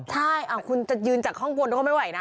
ใช่คุณจะยืนจากข้างบนเขาก็ไม่ไหวนะ